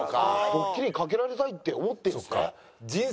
ドッキリかけられたいって思ってるんですね。